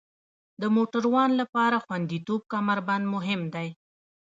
د موټروان لپاره خوندیتوب کمربند مهم دی.